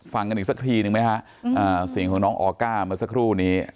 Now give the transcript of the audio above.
ฟังกันอีกสักทีหนึ่งไหมฮะอืมอ่าสิ่งของน้องออก้าลูกชายมาสักครู่นี้